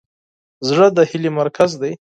زړه د هیلې مرکز دی.